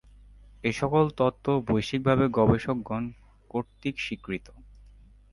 এ সকল তত্ত্ব বৈশ্বিকভাবে গবেষকগণ কর্তৃক স্বীকৃত।